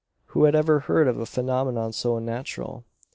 Who had ever heard of a phenomenon so unnatural?